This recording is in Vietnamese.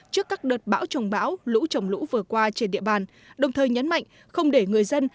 trước các đợt bão trồng bão lũ trồng lũ vừa qua trên địa bàn đồng thời nhấn mạnh không để người dân